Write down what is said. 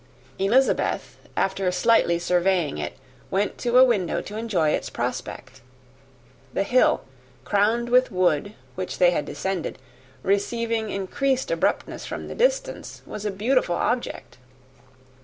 Elizabeth, after slightly surveying it, went to a window to enjoy its prospect. The hill, crowned with wood, from which they had descended, receiving increased abruptness from the distance, was a beautiful object.